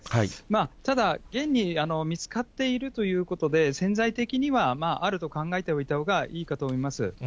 ただ、現に見つかっているということで、潜在的にはあると考えておいたほうがいいかと思います。